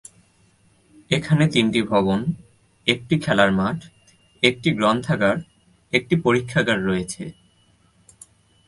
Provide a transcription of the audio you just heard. এখানে তিনটি ভবন, একটি খেলার মাঠ, একটি গ্রন্থাগার, একটি পরীক্ষাগার রয়েছে।